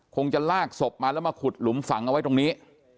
คงจะลากศพมาแล้วมาขุดหลุมฝังเอาไว้ตรงนี้